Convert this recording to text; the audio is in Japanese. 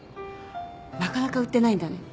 なかなか売ってないんだね。